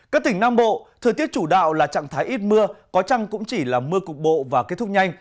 các tỉnh nam bộ thời tiết chủ đạo là trạng thái ít mưa có chăng cũng chỉ là mưa cục bộ và kết thúc nhanh